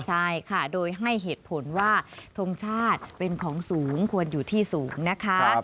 ใช่ค่ะโดยให้เหตุผลว่าทงชาติเป็นของสูงควรอยู่ที่สูงนะคะ